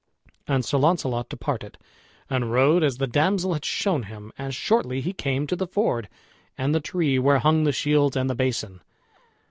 And Sir Launcelot departed, and rode as the damsel had shown him, and shortly he came to the ford, and the tree where hung the shields and the basin.